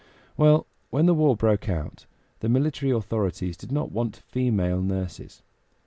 Well, when the war broke out the military authorities did not want female nurses.